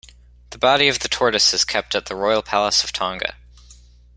The body of the tortoise is kept at the Royal Palace of Tonga.